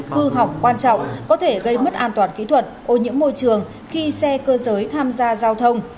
hư hỏng quan trọng có thể gây mất an toàn kỹ thuật ô nhiễm môi trường khi xe cơ giới tham gia giao thông